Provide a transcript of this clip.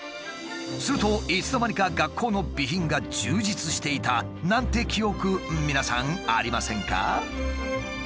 するといつの間にか学校の備品が充実していたなんて記憶皆さんありませんか？